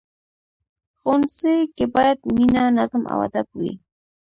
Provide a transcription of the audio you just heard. ښوونځی کې باید مینه، نظم او ادب وي